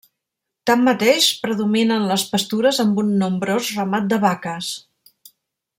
Tanmateix, predominen les pastures amb un nombrós ramat de vaques.